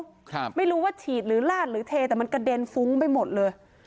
ครับไม่รู้ว่าฉีดหรือลาดหรือเทแต่มันกระเด็นฟุ้งไปหมดเลย